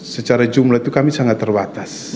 secara jumlah itu kami sangat terbatas